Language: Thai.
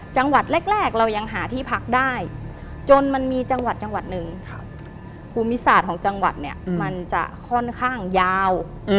จังหวัดแรกเรายังหาที่พักได้จนมันมีจังหวัดจังหวัดหนึ่งภูมิศาสตร์ของจังหวัดเนี่ยมันจะค่อนข้างยาว